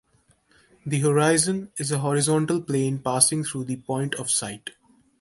The horizon is a horizontal plain passing through the point of sight.